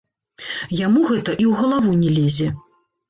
Яму гэта і ў галаву не лезе.